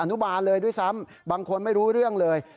นุบาลเลยด้วยซ้ำบางคนไม่รู้เรื่องเลย